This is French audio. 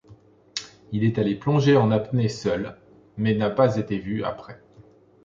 Il est allé plonger en apnée seul mais n'a pas été vu après.